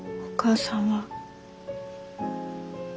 お母さんは？